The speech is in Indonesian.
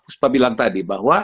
sepabilang tadi bahwa